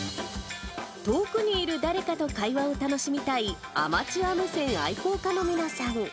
遠くにいる誰かと会話を楽しみたいアマチュア無線愛好家の皆さん。